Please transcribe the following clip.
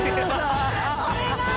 お願い！